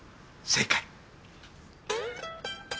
正解！